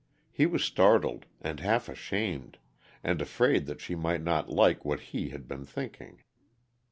He was startled, and half ashamed, and afraid that she might not like what he, had been thinking.